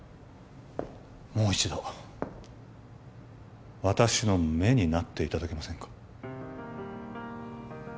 もう一度私の目になっていただけませんか？